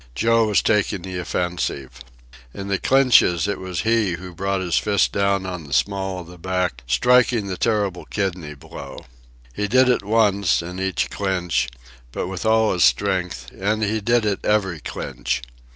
Joe was taking the offensive. In the clinches it was he who brought his fist down on the small of the back, striking the terrible kidney blow. He did it once, in each clinch, but with all his strength, and he did it every clinch.